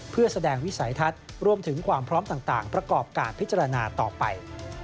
เพื่อแสดงวิสัยทัศน์รวมถึงความพร้อมต่างประกอบการพิจารณาต่อไป